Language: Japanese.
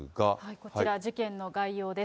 こちら、事件の概要です。